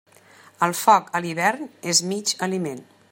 El foc, a l'hivern, és mig aliment.